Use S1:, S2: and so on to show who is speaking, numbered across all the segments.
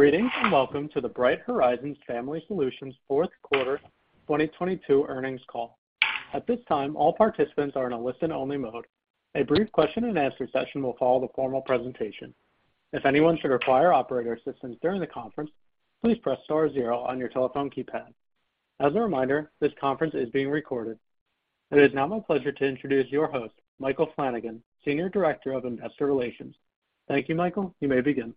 S1: Greetings, welcome to the Bright Horizons Family Solutions fourth quarter 2022 earnings call. At this time, all participants are in a listen-only mode. A brief question-and-answer session will follow the formal presentation. If anyone should require operator assistance during the conference, please press star zero on your telephone keypad. As a reminder, this conference is being recorded. It is now my pleasure to introduce your host, Michael Flanagan, Senior Director of Investor Relations. Thank you, Michael. You may begin.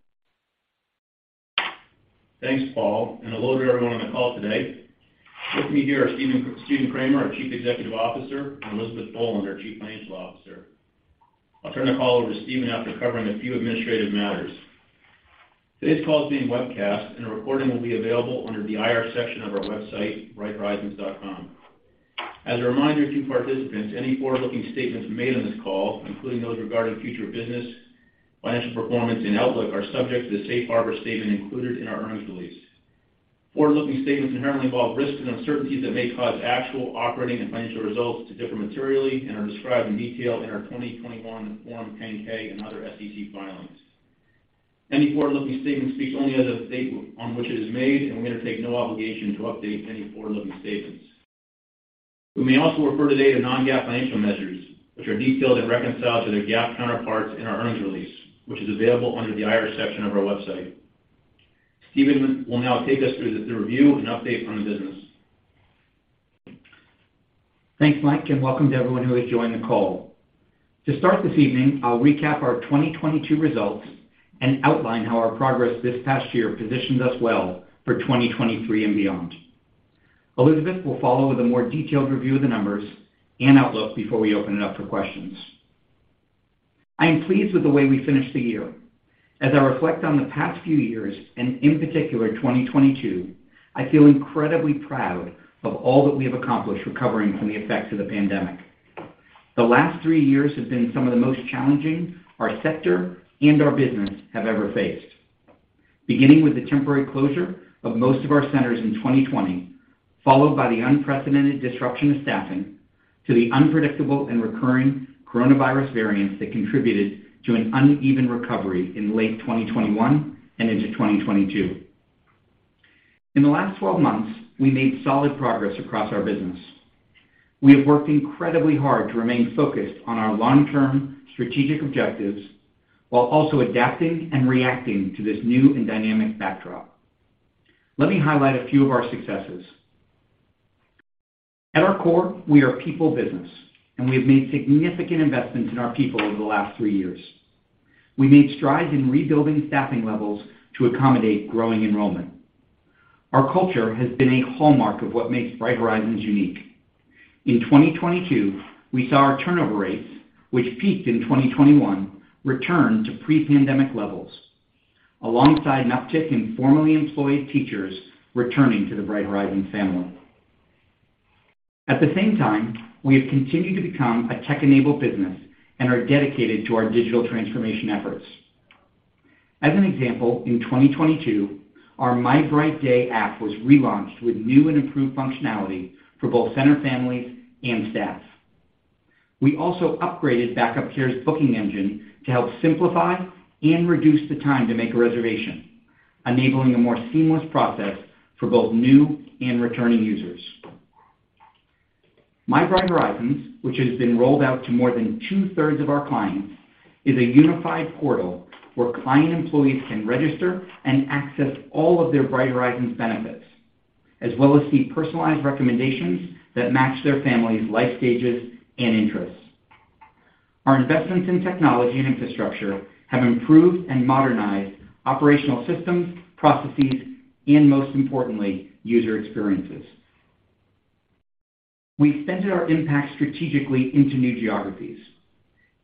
S2: Thanks, Paul. Hello to everyone on the call today. With me here are Stephen Kramer, our Chief Executive Officer, and Elizabeth Boland, our Chief Financial Officer. I'll turn the call over to Stephen after covering a few administrative matters. Today's call is being webcast. A recording will be available under the IR section of our website, brighthorizons.com. As a reminder to participants, any forward-looking statements made on this call, including those regarding future business, financial performance, and outlook, are subject to the safe harbor statement included in our earnings release. Forward-looking statements inherently involve risks and uncertainties that may cause actual operating and financial results to differ materially and are described in detail in our 2021 Form 10-K and other SEC filings. Any forward-looking statement speaks only as of the date on which it is made. We undertake no obligation to update any forward-looking statements. We may also refer today to non-GAAP financial measures, which are detailed and reconciled to their GAAP counterparts in our earnings release, which is available under the IR section of our website. Stephen will now take us through the review and update on the business.
S3: Thanks, Mike. Welcome to everyone who has joined the call. To start this evening, I'll recap our 2022 results and outline how our progress this past year positions us well for 2023 and beyond. Elizabeth will follow with a more detailed review of the numbers and outlook before we open it up for questions. I am pleased with the way we finished the year. As I reflect on the past few years, in particular 2022, I feel incredibly proud of all that we have accomplished recovering from the effects of the pandemic. The last three years have been some of the most challenging our sector and our business have ever faced. Beginning with the temporary closure of most of our centers in 2020, followed by the unprecedented disruption of staffing to the unpredictable and recurring coronavirus variants that contributed to an uneven recovery in late 2021 and into 2022. In the last 12 months, we made solid progress across our business. We have worked incredibly hard to remain focused on our long-term strategic objectives while also adapting and reacting to this new and dynamic backdrop. Let me highlight a few of our successes. At our core, we are a people business, and we have made significant investments in our people over the last three years. We made strides in rebuilding staffing levels to accommodate growing enrollment. Our culture has been a hallmark of what makes Bright Horizons unique. In 2022, we saw our turnover rates, which peaked in 2021, return to pre-pandemic levels, alongside an uptick in formally employed teachers returning to the Bright Horizons family. At the same time, we have continued to become a tech-enabled business and are dedicated to our digital transformation efforts. As an example, in 2022, our My Bright Day app was relaunched with new and improved functionality for both center families and staff. We also upgraded Back-Up Care's booking engine to help simplify and reduce the time to make a reservation, enabling a more seamless process for both new and returning users. My Bright Horizons, which has been rolled out to more than two-thirds of our clients, is a unified portal where client employees can register and access all of their Bright Horizons benefits, as well as see personalized recommendations that match their family's life stages and interests. Our investments in technology and infrastructure have improved and modernized operational systems, processes, and most importantly, user experiences. We extended our impact strategically into new geographies.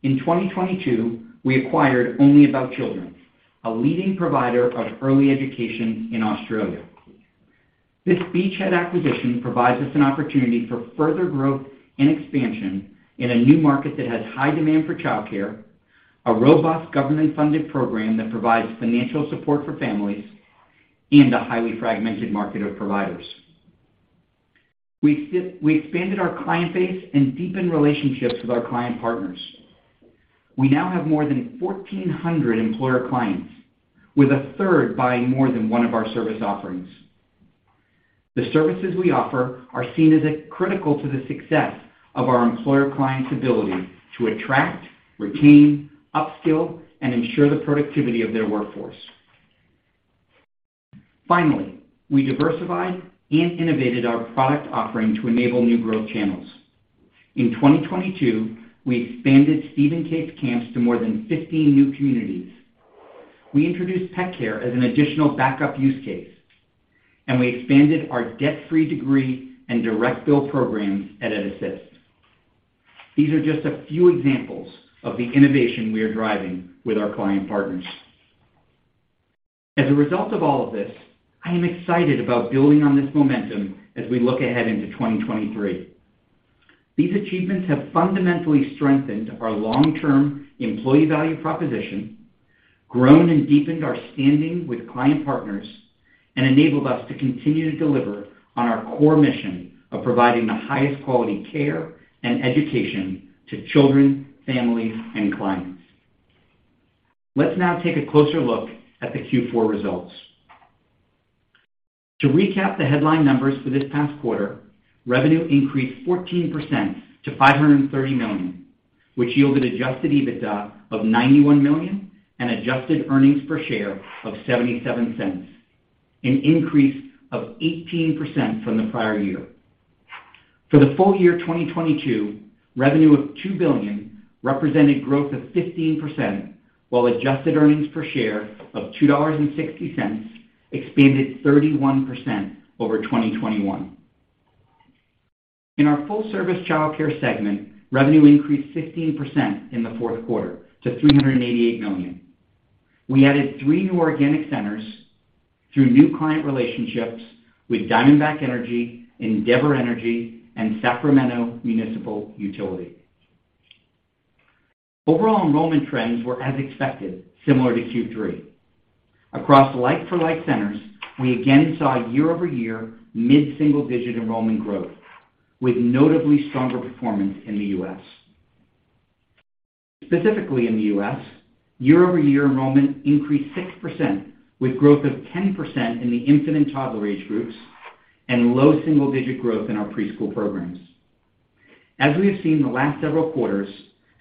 S3: In 2022, we acquired Only About Children, a leading provider of early education in Australia. This beachhead acquisition provides us an opportunity for further growth and expansion in a new market that has high demand for childcare, a robust government-funded program that provides financial support for families, and a highly fragmented market of providers. We expanded our client base and deepened relationships with our client partners. We now have more than 1,400 employer clients, with a third buying more than one of our service offerings. The services we offer are seen as a critical to the success of our employer clients' ability to attract, retain, upskill, and ensure the productivity of their workforce. Finally, we diversified and innovated our product offering to enable new growth channels. In 2022, we expanded Steve & Kate's Camp to more than 50 new communities. We introduced Pet Care as an additional backup use case, and we expanded our debt-free degree and direct bill programs at EdAssist. These are just a few examples of the innovation we are driving with our client partners. As a result of all of this, I am excited about building on this momentum as we look ahead into 2023. These achievements have fundamentally strengthened our long-term employee value proposition, grown and deepened our standing with client partners and enabled us to continue to deliver on our core mission of providing the highest quality care and education to children, families, and clients. Let's now take a closer look at the Q4 results. To recap the headline numbers for this past quarter, revenue increased 14% to $530 million, which yielded adjusted EBITDA of $91 million and adjusted earnings per share of $0.77, an increase of 18% from the prior year. For the full year 2022, revenue of $2 billion represented growth of 15%, while adjusted earnings per share of $2.60 expanded 31% over 2021. In our full-service child care segment, revenue increased 16% in the fourth quarter to $388 million. We added three new organic centers through new client relationships with Diamondback Energy, Endeavor Energy, and Sacramento Municipal Utility. Overall enrollment trends were as expected, similar to Q3. Across like-for-like centers, we again saw year-over-year mid-single-digit enrollment growth, with notably stronger performance in the U.S. Specifically in the U.S., year-over-year enrollment increased 6%, with growth of 10% in the infant and toddler age groups and low single-digit growth in our preschool programs. As we have seen in the last several quarters,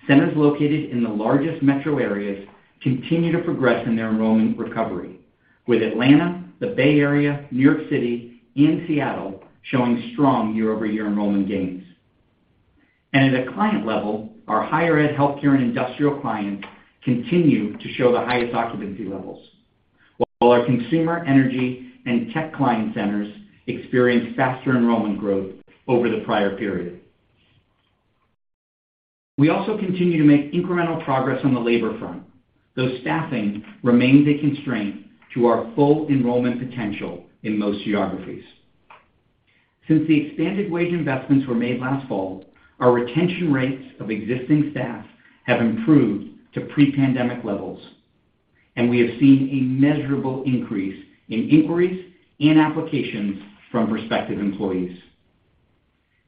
S3: centers located in the largest metro areas continue to progress in their enrollment recovery, with Atlanta, the Bay Area, New York City, and Seattle showing strong year-over-year enrollment gains. At a client level, our higher ed healthcare and industrial clients continue to show the highest occupancy levels, while our consumer energy and tech client centers experienced faster enrollment growth over the prior period. We also continue to make incremental progress on the labor front, though staffing remains a constraint to our full enrollment potential in most geographies. Since the expanded wage investments were made last fall, our retention rates of existing staff have improved to pre-pandemic levels, and we have seen a measurable increase in inquiries and applications from prospective employees.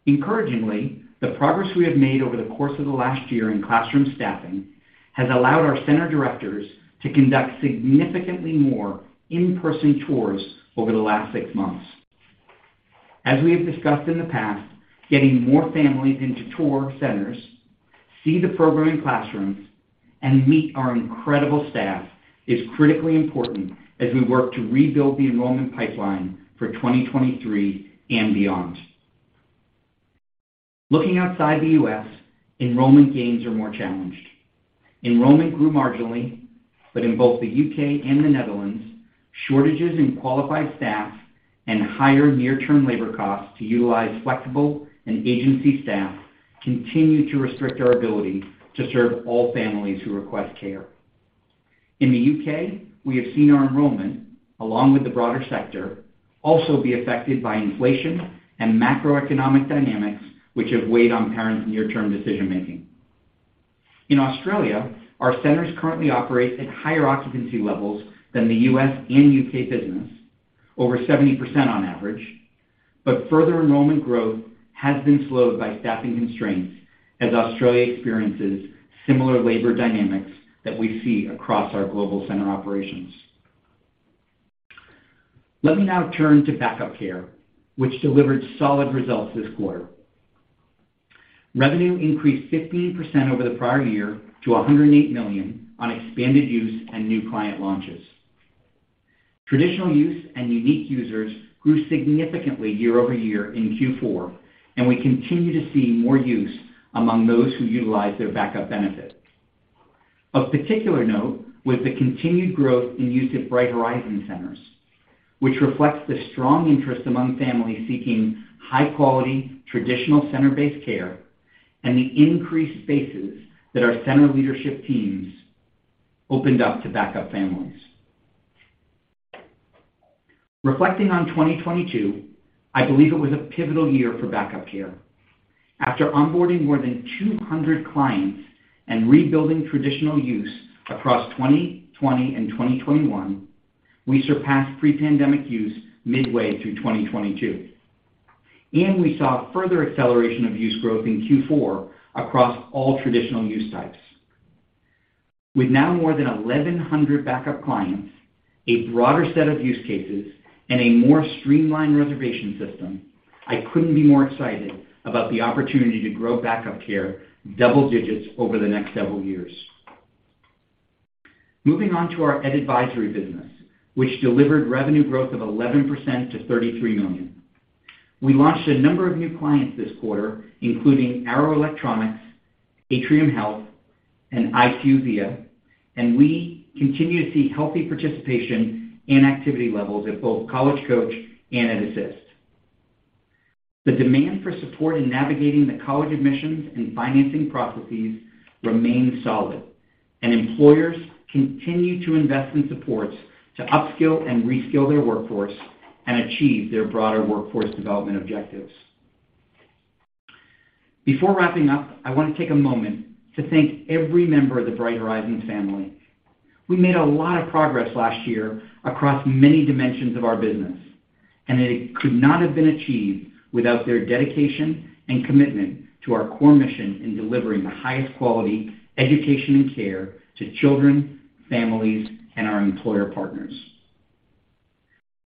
S3: Encouragingly, the progress we have made over the course of the last year in classroom staffing has allowed our center directors to conduct significantly more in-person tours over the last six months. As we have discussed in the past, getting more families in to tour centers, see the program in classrooms, and meet our incredible staff is critically important as we work to rebuild the enrollment pipeline for 2023 and beyond. Looking outside the U.S., enrollment gains are more challenged. Enrollment grew marginally. In both the U.K. and the Netherlands, shortages in qualified staff and higher near-term labor costs to utilize flexible and agency staff continue to restrict our ability to serve all families who request care. In the U.K., we have seen our enrollment, along with the broader sector, also be affected by inflation and macroeconomic dynamics which have weighed on parents' near-term decision-making. In Australia, our centers currently operate at higher occupancy levels than the U.S. and U.K. business, over 70% on average. Further enrollment growth has been slowed by staffing constraints as Australia experiences similar labor dynamics that we see across our global center operations. Let me now turn to Back-Up Care, which delivered solid results this quarter. Revenue increased 15% over the prior year to $108 million on expanded use and new client launches. Traditional use and unique users grew significantly year-over-year in Q4. We continue to see more use among those who utilize their backup benefit. Of particular note was the continued growth in use of Bright Horizons centers, which reflects the strong interest among families seeking high-quality, traditional center-based care and the increased spaces that our center leadership teams opened up to Back-Up families,. Reflecting on 2022, I believe it was a pivotal year for Back-Up Care. After onboarding more than 200 clients and rebuilding traditional use across 2020 and 2021, we surpassed pre-pandemic use midway through 2022. We saw further acceleration of use growth in Q4 across all traditional use types. With now more than 1,100 Back-Up clients, a broader set of use cases, and a more streamlined reservation system, I couldn't be more excited about the opportunity to grow Back-Up Care double digits over the next several years. Moving on to our Ed Advisory business, which delivered revenue growth of 11% to $33 million. We launched a number of new clients this quarter, including Arrow Electronics, Atrium Health, and IQVIA, and we continue to see healthy participation and activity levels at both College Coach and EdAssist. The demand for support in navigating the college admissions and financing processes remains solid, and employers continue to invest in supports to upskill and reskill their workforce and achieve their broader workforce development objectives. Before wrapping up, I want to take a moment to thank every member of the Bright Horizons family. We made a lot of progress last year across many dimensions of our business, and it could not have been achieved without their dedication and commitment to our core mission in delivering the highest quality education and care to children, families, and our employer partners.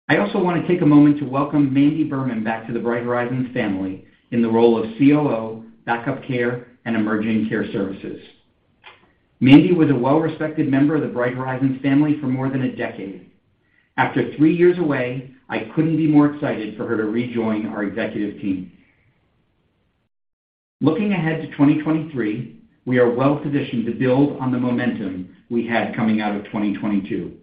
S3: I also want to take a moment to welcome Mandy Berman back to the Bright Horizons family in the role of COO, Back-Up Care, and Emerging Care Services. Mandy was a well-respected member of the Bright Horizons family for more than a decade. After three years away, I couldn't be more excited for her to rejoin our executive team. Looking ahead to 2023, we are well-positioned to build on the momentum we had coming out of 2022.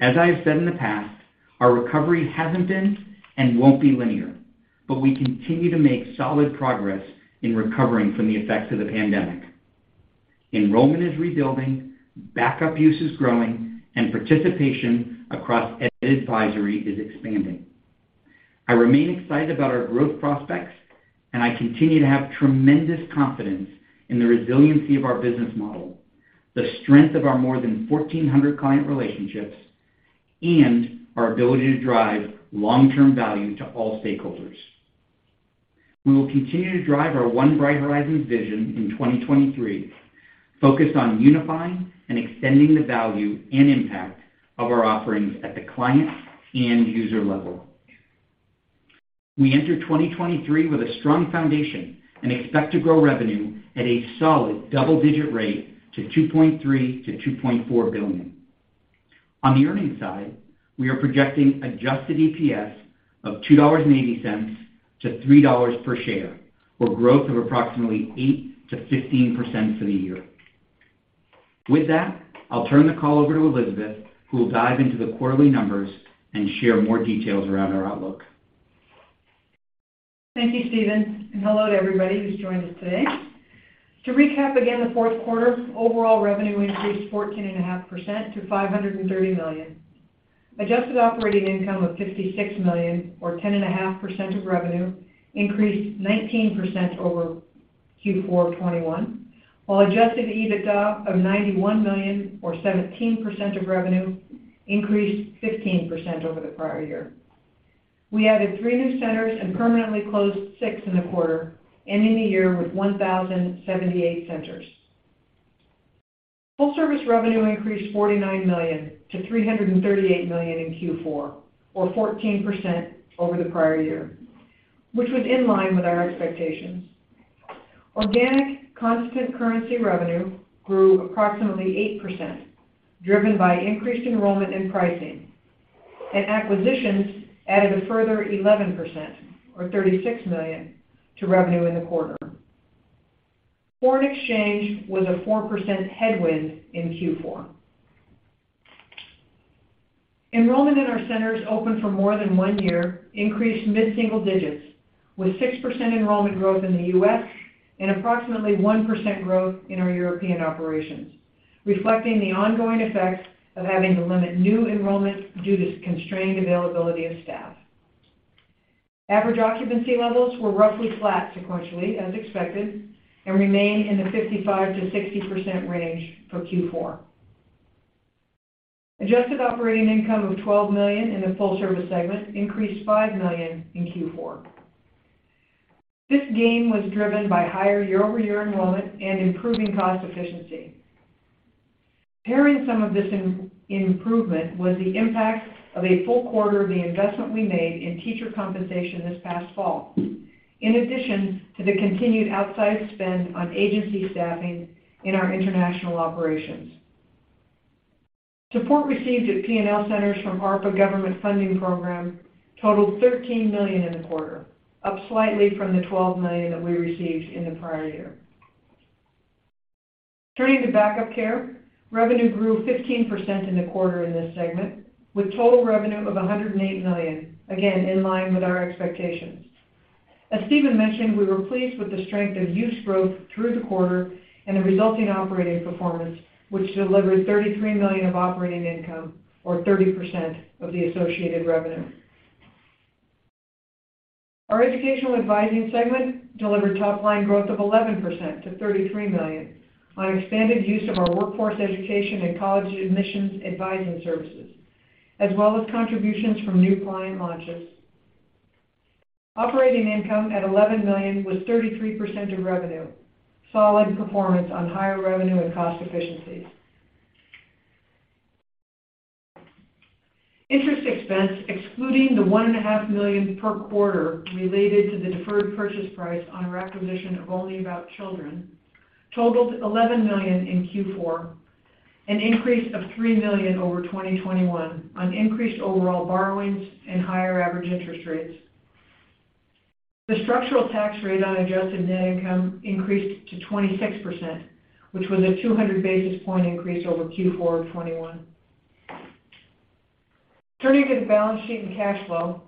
S3: As I have said in the past, our recovery hasn't been and won't be linear, but we continue to make solid progress in recovering from the effects of the pandemic. Enrollment is rebuilding, backup use is growing, and participation across Ed Advisory is expanding. I remain excited about our growth prospects, and I continue to have tremendous confidence in the resiliency of our business model, the strength of our more than 1,400 client relationships, and our ability to drive long-term value to all stakeholders. We will continue to drive our One Bright Horizons vision in 2023, focused on unifying and extending the value and impact of our offerings at the client and user level. We enter 2023 with a strong foundation and expect to grow revenue at a solid double-digit rate to $2.3 billion-$2.4 billion. On the earnings side, we are projecting Adjusted EPS of $2.80-$3.00 per share, or growth of approximately 8%-15% for the year. I'll turn the call over to Elizabeth, who will dive into the quarterly numbers and share more details around our outlook.
S4: Thank you, Stephen, hello to everybody who's joined us today. To recap again, the fourth quarter, overall revenue increased 14.5% to $530 million. Adjusted operating income of $56 million or 10.5% of revenue increased 19% over Q4 of 2021, while adjusted EBITDA of $91 million or 17% of revenue increased 15% over the prior year. We added three new centers and permanently closed six in the quarter, ending the year with 1,078 centers. Full-service revenue increased $49 million to $338 million in Q4 or 14% over the prior year, which was in line with our expectations. Organic constant currency revenue grew approximately 8%, driven by increased enrollment and pricing. Acquisitions added a further 11% or $36 million to revenue in the quarter. Foreign exchange was a 4% headwind in Q4. Enrollment in our centers open for more than one year increased mid-single digits, with 6% enrollment growth in the U.S. and approximately 1% growth in our European operations, reflecting the ongoing effects of having to limit new enrollment due to constrained availability of staff. Average occupancy levels were roughly flat sequentially, as expected, and remain in the 55%-60% range for Q4. Adjusted operating income of $12 million in the full-service segment increased $5 million in Q4. This gain was driven by higher year-over-year enrollment and improving cost efficiency. Pairing some of this improvement was the impact of a full quarter of the investment we made in teacher compensation this past fall, in addition to the continued outside spend on agency staffing in our international operations. Support received at P&L centers from ARPA government funding program totaled $13 million in the quarter, up slightly from the $12 million that we received in the prior year. Turning to Back-Up Care, revenue grew 15% in the quarter in this segment, with total revenue of $108 million, again, in line with our expectations. As Steven mentioned, we were pleased with the strength of use growth through the quarter and the resulting operating performance, which delivered $33 million of operating income or 30% of the associated revenue. Our Ed Advisory segment delivered top-line growth of 11% to $33 million on expanded use of our workforce education and college admissions advising services, as well as contributions from new client launches. Operating income at $11 million was 33% of revenue, solid performance on higher revenue and cost efficiencies. Interest expense, excluding the one and a half million per quarter related to the deferred purchase price on our acquisition of Only About Children, totaled $11 million in Q4, an increase of $3 million over 2021 on increased overall borrowings and higher average interest rates. The structural tax rate on adjusted net income increased to 26%, which was a 200 basis point increase over Q4 of 2021. Turning to the balance sheet and cash flow.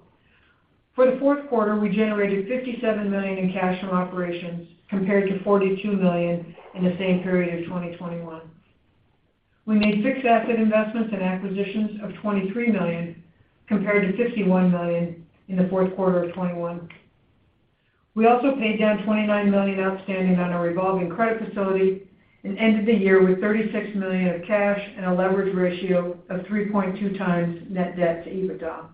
S4: For the fourth quarter, we generated $57 million in cash from operations compared to $42 million in the same period of 2021. We made 6 asset investments and acquisitions of $23 million, compared to $51 million in the fourth quarter of 2021. We also paid down $29 million outstanding on our revolving credit facility and ended the year with $36 million of cash and a leverage ratio 3.2x net debt to EBITDA.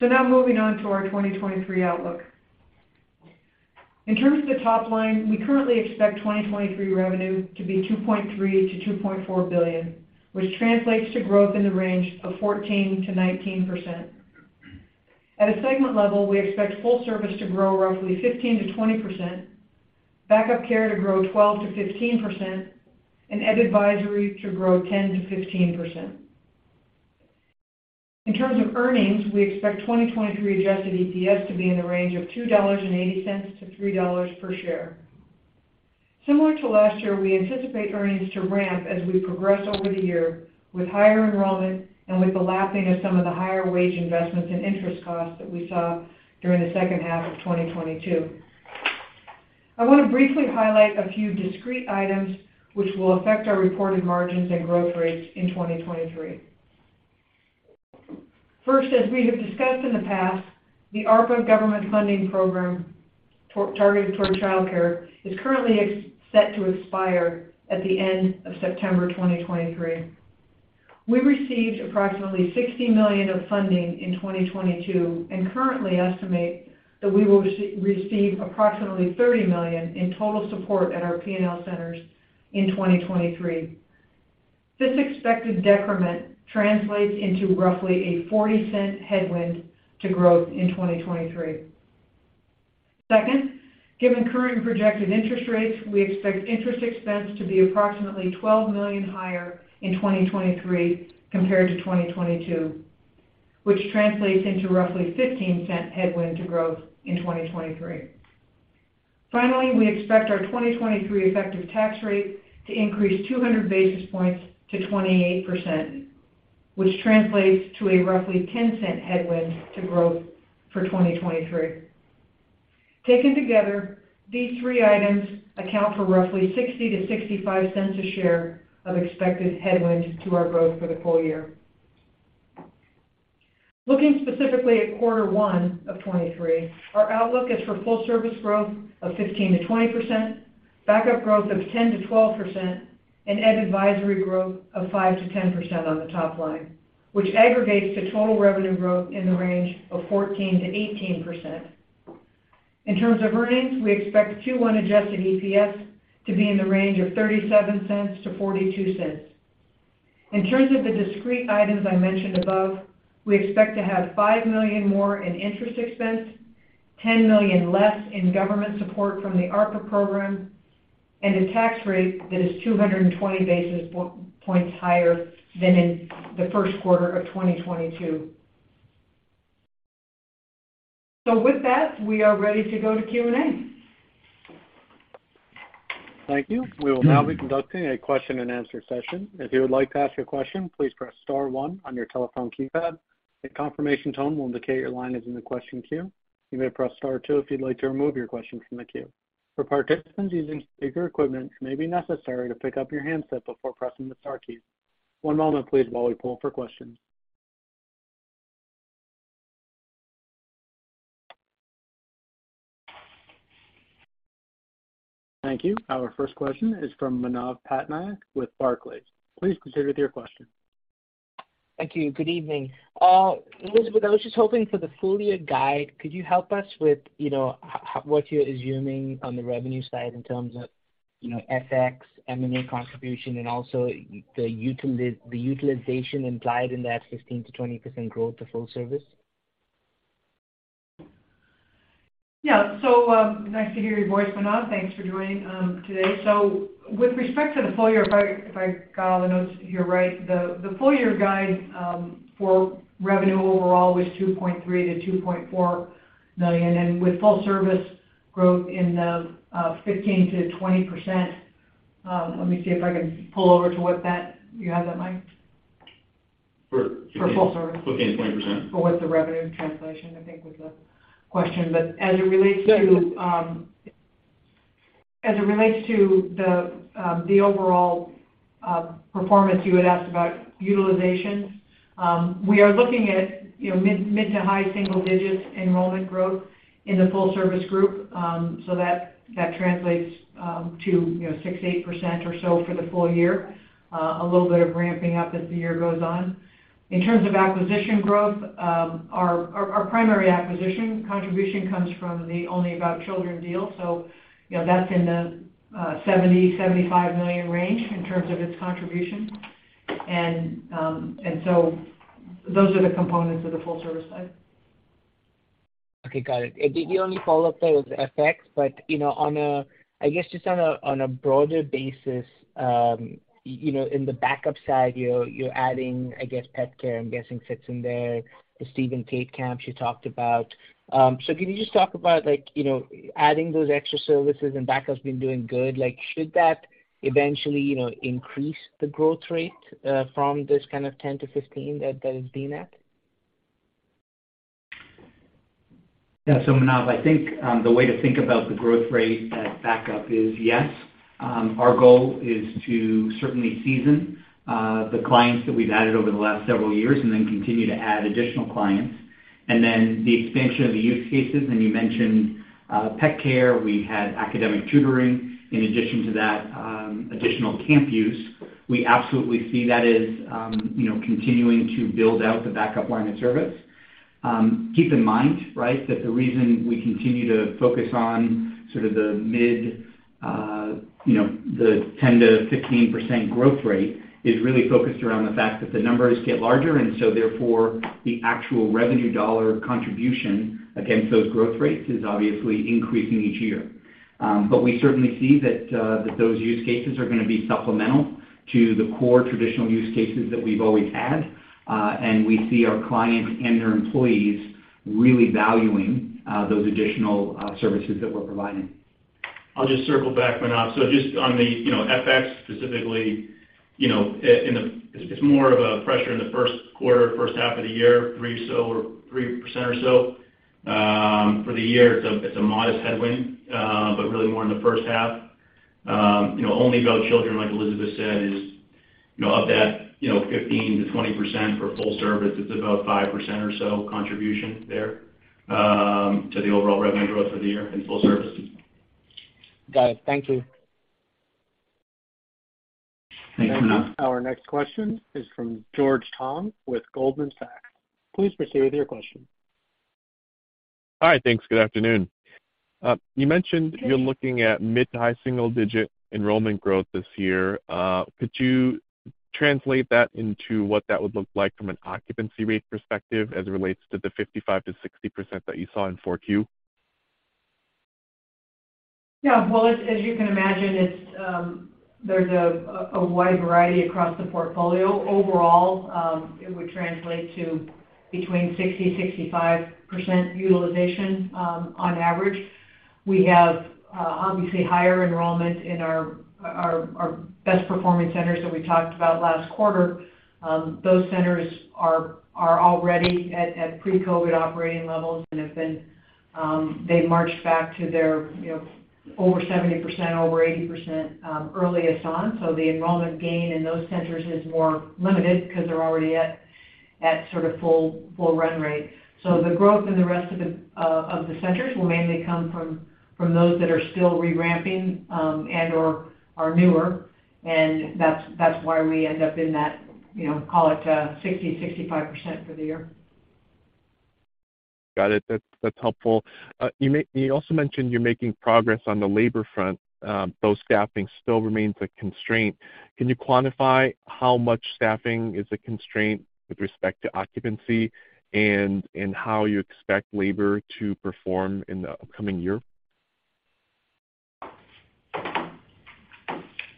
S4: Now moving on to our 2023 outlook. In terms of the top line, we currently expect 2023 revenue to be $2.3 billion-$2.4 billion, which translates to growth in the range of 14%-19%. At a segment level, we expect full-service to grow roughly 15%-20%, Back-Up Care to grow 12%-15%, and Ed Advisory to grow 10%-15%. In terms of earnings, we expect 2023 Adjusted EPS to be in the range of $2.80-$3.00 per share. Similar to last year, we anticipate earnings to ramp as we progress over the year with higher enrollment and with the lapping of some of the higher wage investments and interest costs that we saw during the second half of 2022. I want to briefly highlight a few discrete items which will affect our reported margins and growth rates in 2023. First, as we have discussed in the past, the ARPA government funding program targeted toward childcare is currently set to expire at the end of September 2023. We received approximately $60 million of funding in 2022, and currently estimate that we will receive approximately $30 million in total support at our P&L centers in 2023. This expected decrement translates into roughly a $0.40 headwind to growth in 2023. Given current projected interest rates, we expect interest expense to be approximately $12 million higher in 2023 compared to 2022, which translates into roughly $0.15 headwind to growth in 2023. We expect our 2023 effective tax rate to increase 200 basis points to 28%, which translates to a roughly $0.10 headwind to growth for 2023. Taken together, these three items account for roughly $0.60-$0.65 a share of expected headwind to our growth for the full year. Looking specifically at Q1 of 2023, our outlook is for full-service growth of 15%-20%, Back-up growth of 10%-12%, and Ed Advisory growth of 5%-10% on the top line, which aggregates to total revenue growth in the range of 14%-18%. In terms of earnings, we expect Q1 adjusted EPS to be in the range of $0.37-$0.42. In terms of the discrete items I mentioned above, we expect to have $5 million more in interest expense, $10 million less in government support from the ARPA program, and a tax rate that is 220 basis points higher than in the first quarter of 2022. With that, we are ready to go to Q&A.
S1: Thank you. We will now be conducting a question and answer session. If you would like to ask a question, please press star one on your telephone keypad. A confirmation tone will indicate your line is in the question queue. You may press star two if you'd like to remove your question from the queue. For participants using speaker equipment, it may be necessary to pick up your handset before pressing the star key. One moment please while we poll for questions. Thank you. Our first question is from Manav Patnaik with Barclays. Please proceed with your question.
S5: Thank you. Good evening. Elizabeth, I was just hoping for the full year guide, could you help us with, you know, what you're assuming on the revenue side in terms of, you know, FX, M&A contribution, and also the utilization implied in that 15%-20% growth to full-service?
S4: Nice to hear your voice, Manav. Thanks for joining today. With respect to the full year, if I got all the notes here right, the full year guide for revenue overall was $2.3 million to $2.4 million, with full-service growth in the 15%-20%. Let me see if I can pull over to what that... Do you have that, Mike?
S2: For-
S4: For full-service...
S2: 15%-20%?
S4: For what the revenue translation, I think, was the question.
S5: Yeah.
S4: As it relates to the overall performance, you had asked about utilization. We are looking at, you know, mid to high single digits enrollment growth in the full-service group. That translates, you know, to 6%-8% or so for the full year. A little bit of ramping up as the year goes on. In terms of acquisition growth, our primary acquisition contribution comes from the Only About Children deal. You know, that's in the $70 million-$75 million range in terms of its contribution. Those are the components of the full-service side.
S5: Okay, got it. The only follow-up there was FX, but, you know, on a broader basis, you know, in the Back-Up Care side, you're adding, I guess, Pet Care, I'm guessing fits in there. The Steve & Kate's Camp you talked about. Can you just talk about, like, you know, adding those extra services and Back-Up Care's been doing good, like, should that eventually, you know, increase the growth rate from this kind of 10%-15% that it's been at?
S3: Manav, I think, the way to think about the growth rate at Back-Up Care is, yes, our goal is to certainly season the clients that we've added over the last several years and then continue to add additional clients. The expansion of the use cases, and you mentioned Pet Care. We had academic tutoring. In addition to that, additional camp use. We absolutely see that as, you know, continuing to build out the Back-Up Care line of service. Keep in mind, right, that the reason we continue to focus on sort of the mid, you know, the 10%-15% growth rate is really focused around the fact that the numbers get larger, and so therefore, the actual revenue dollar contribution against those growth rates is obviously increasing each year. We certainly see that those use cases are gonna be supplemental to the core traditional use cases that we've always had, and we see our clients and their employees really valuing, those additional, services that we're providing.
S2: Just circle back, Manav. just on the, you know, FX specifically, you know, it's more of a pressure in the first quarter, first half of the year, three so or 3% or so. for the year, it's a, it's a modest headwind, but really more in the first half. you know, Only About Children, like Elizabeth said, is, you know, of that, you know, 15%-20% for full-service, it's about 5% or so contribution there, to the overall revenue growth for the year in full services.
S5: Got it. Thank you.
S3: Thanks, Manav.
S1: Our next question is from George Tong with Goldman Sachs. Please proceed with your question.
S6: Hi. Thanks. Good afternoon. You mentioned you're looking at mid to high single digit enrollment growth this year. Could you translate that into what that would look like from an occupancy rate perspective as it relates to the 55%-60% that you saw in 4Q?
S4: Yeah. Well, as you can imagine, it's, there's a wide variety across the portfolio. Overall, it would translate to between 60%-65% utilization on average. We have obviously higher enrollment in our best performing centers that we talked about last quarter. Those centers are already at pre-COVID operating levels and have been, they marched back to their, you know, over 70%, over 80% earliest on. The enrollment gain in those centers is more limited because they're already at sort of full run rate. The growth in the rest of the centers will mainly come from those that are still re-ramping and/or are newer. That's why we end up in that, you know, call it, 60%-65% for the year.
S6: Got it. That's helpful. You also mentioned you're making progress on the labor front. Though staffing still remains a constraint. Can you quantify how much staffing is a constraint with respect to occupancy and how you expect labor to perform in the upcoming year?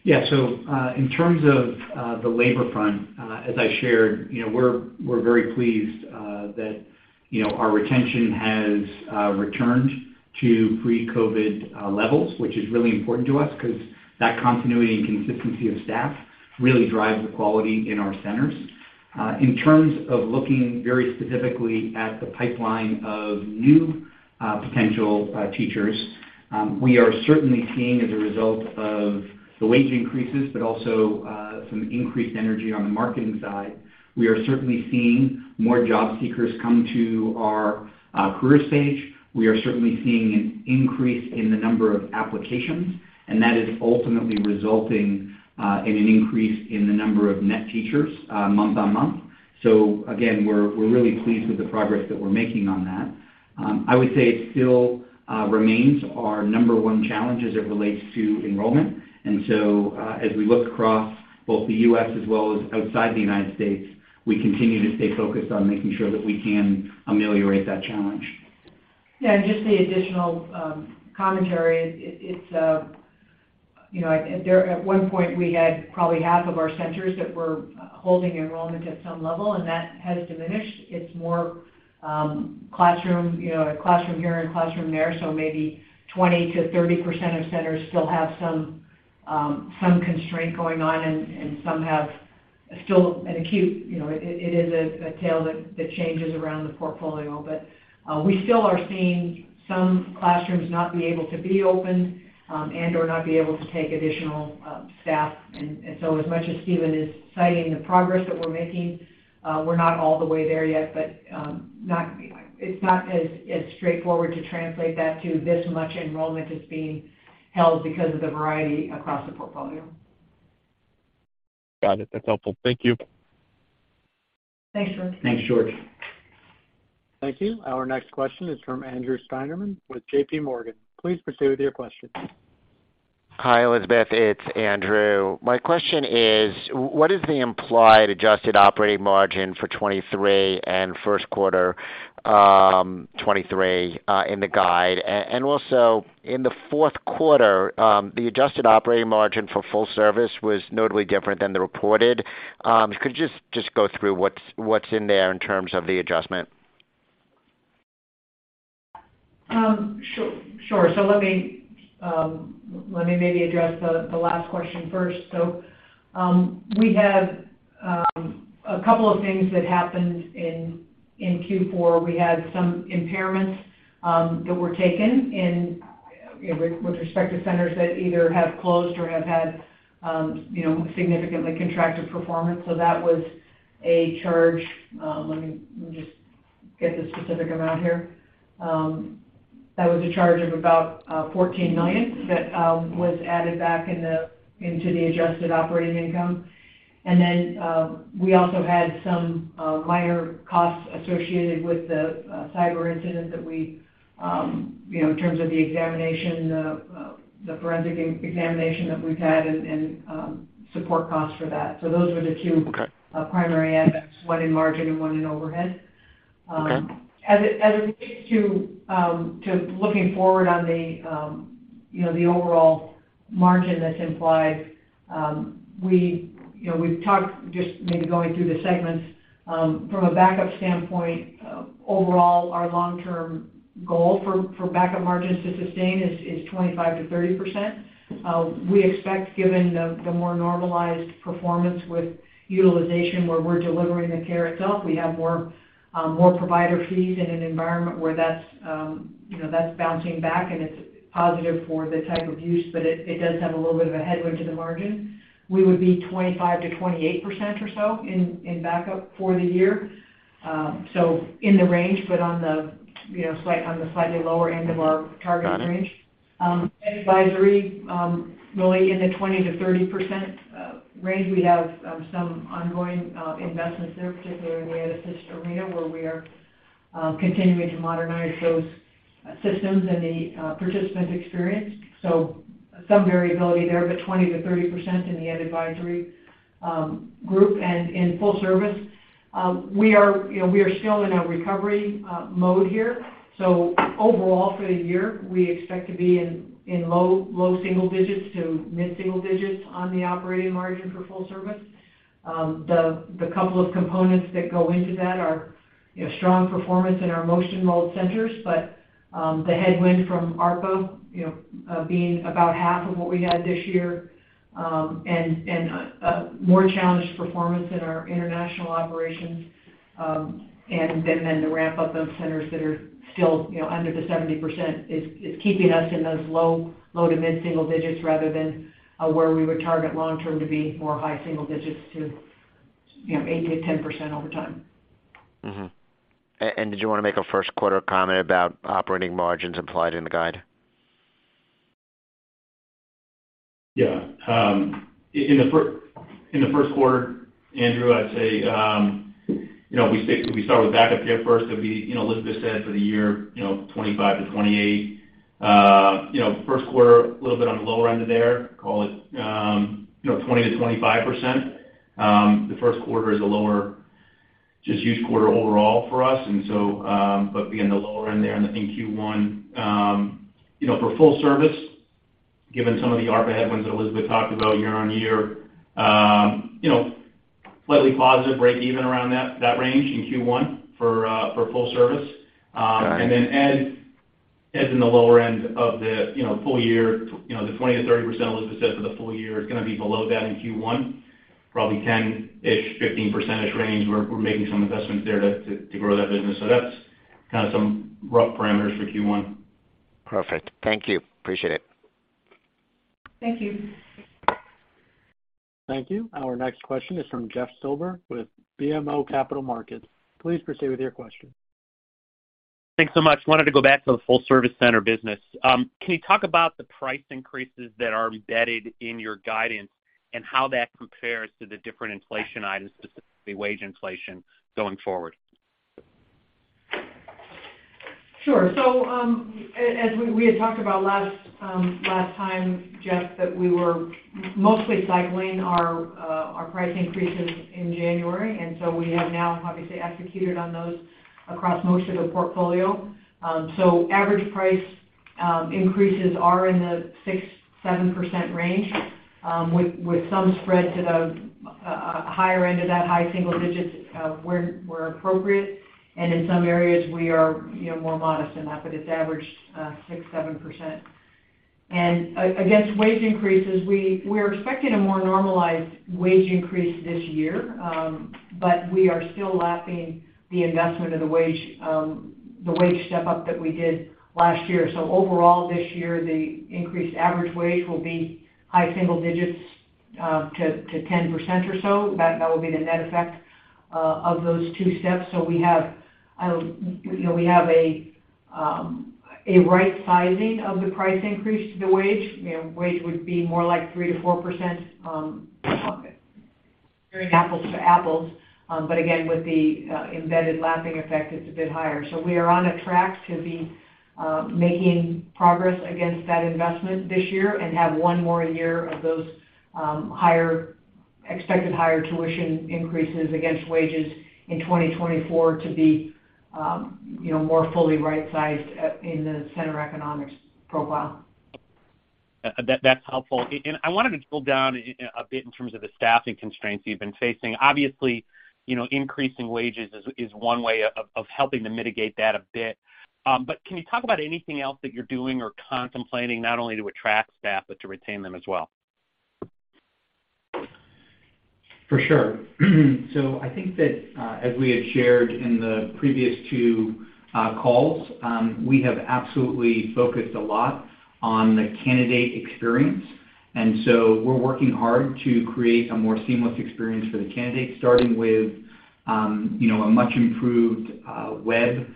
S3: In terms of the labor front, as I shared, you know, we're very pleased that, you know, our retention has returned to pre-COVID levels, which is really important to us 'cause that continuity and consistency of staff really drives the quality in our centers. In terms of looking very specifically at the pipeline of new potential teachers, we are certainly seeing as a result of the wage increases, but also some increased energy on the marketing side. We are certainly seeing more job seekers come to our career stage. We are certainly seeing an increase in the number of applications, and that is ultimately resulting in an increase in the number of net teachers month-on-month. Again, we're really pleased with the progress that we're making on that. I would say it still remains our number one challenge as it relates to enrollment. As we look across both the U.S. as well as outside the United States, we continue to stay focused on making sure that we can ameliorate that challenge.
S4: Yeah. Just the additional commentary. It's, you know, at one point, we had probably half of our centers that were holding enrollment at some level, and that has diminished. It's more, you know, a classroom here and classroom there. Maybe 20%-30% of centers still have some constraint going on and some have still an acute, you know. It is a tale that changes around the portfolio. We still are seeing some classrooms not be able to be open and/or not be able to take additional staff. So as much as Stephen is citing the progress that we're making, we're not all the way there yet, but not. It's not as straightforward to translate that to this much enrollment is being held because of the variety across the portfolio.
S6: Got it. That's helpful. Thank you.
S4: Thanks, George.
S3: Thanks, George.
S1: Thank you. Our next question is from Andrew Steinerman with JPMorgan. Please proceed with your question.
S7: Hi, Elizabeth. It's Andrew. My question is, what is the implied adjusted operating margin for 2023 and first quarter 2023 in the guide? Also in the fourth quarter, the adjusted operating margin for full-service was notably different than the reported. Could you just go through what's in there in terms of the adjustment?
S4: Sure. Sure. Let me maybe address the last question first. We had a couple of things that happened in Q4. We had some impairments that were taken in, with respect to centers that either have closed or have had, you know, significantly contracted performance. That was a charge. Let me just get the specific amount here. That was a charge of about $14 million that was added back in the, into the adjusted operating income. We also had some minor costs associated with the cyber incident that we, you know, in terms of the examination, the forensic examination that we've had and support costs for that. Those were the two-
S7: Okay.
S4: primary add backs, 1 in margin and 1 in overhead.
S7: Okay.
S4: As it, as it relates to looking forward on the, you know, the overall margin that's implied, we, you know, we've talked just maybe going through the segments, from a Back-Up Care standpoint, overall our long-term goal for Back-Up Care margins to sustain is 25%-30%. We expect given the more normalized performance with utilization where we're delivering the care itself, we have more, more provider fees in an environment where that's, you know, that's bouncing back and it's positive for the type of use, but it does have a little bit of a headwind to the margin. We would be 25%-28% or so in Back-Up Care for the year. So in the range, but on the, you know, slightly lower end of our target range.
S7: Got it.
S4: Advisory really in the 20%-30% range. We have some ongoing investments there, particularly in the EdAssist arena, where we are continuing to modernize those systems and the participant experience. Some variability there, but 20%-30% in the Ed Advisory group. In full-service, you know, we are still in a recovery mode here. Overall for the year, we expect to be in low single digits to mid single digits on the operating margin for full-service. The couple of components that go into that are, you know, strong performance in our motion mold centers, but the headwind from ARPA, you know, being about half of what we had this year, and a more challenged performance in our international operations. Then to ramp up those centers that are still, you know, under the 70% is keeping us in those low to mid-single digits rather than where we would target long term to be more high-single digits to, you know, 8%-10% over time.
S7: Did you wanna make a first quarter comment about operating margins implied in the guide?
S2: Yeah. in the first quarter, Andrew, I'd say, you know, we start with Back-Up Care first. It'd be, you know, Elizabeth said for the year, you know, 25%-28%. you know, first quarter a little bit on the lower end of there, call it, you know, 20%-25%. The first quarter is a lower just huge quarter overall for us. but be in the lower end there and I think Q1, you know, for full-service, given some of the ARPA headwinds that Elizabeth talked about year-over-year, you know, slightly positive breakeven around that range in Q1 for full-service.
S7: Got it.
S2: And, as in the lower end of the, you know, full year, you know, the 20%-30% Elizabeth said for the full year is gonna be below that in Q1, probably 10%-15% range. We're making some investments there to grow that business. That's kind of some rough parameters for Q1.
S7: Perfect. Thank you. Appreciate it.
S4: Thank you.
S1: Thank you. Our next question is from Jeff Silber with BMO Capital Markets. Please proceed with your question.
S8: Thanks so much. Wanted to go back to the full-service center business. Can you talk about the price increases that are embedded in your guidance and how that compares to the different inflation items, specifically wage inflation going forward?
S4: Sure. As we had talked about last time, Jeff, that we were mostly cycling our price increases in January, we have now obviously executed on those across most of the portfolio. Average price increases are in the 6-7% range, with some spread to the higher end of that high single digits where appropriate. In some areas we are, you know, more modest than that, but it's averaged 6-7%. Against wage increases, we're expecting a more normalized wage increase this year, but we are still lapping the investment of the wage step-up that we did last year. Overall this year, the increased average wage will be high single digits to 10% or so. That will be the net effect of those two steps. We have, you know, we have a right sizing of the price increase to the wage. You know, wage would be more like 3% to 4%, comparing apples to apples. But again, with the embedded lapping effect, it's a bit higher. We are on a track to be making progress against that investment this year and have one more year of those higher expected higher tuition increases against wages in 2024 to be, you know, more fully right-sized at, in the center economics profile.
S8: That's helpful. I wanted to drill down a bit in terms of the staffing constraints you've been facing. Obviously, you know, increasing wages is one way of helping to mitigate that a bit. Can you talk about anything else that you're doing or contemplating not only to attract staff, but to retain them as well?
S3: For sure. I think that, as we had shared in the previous two calls, we have absolutely focused a lot on the candidate experience. We're working hard to create a more seamless experience for the candidate, starting with, you know, a much improved web